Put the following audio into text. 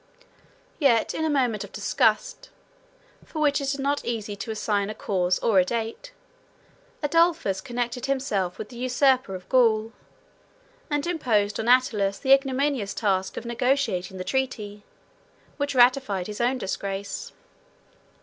Yet in a moment of disgust, (for which it is not easy to assign a cause, or a date,) Adolphus connected himself with the usurper of Gaul; and imposed on Attalus the ignominious task of negotiating the treaty, which ratified his own disgrace.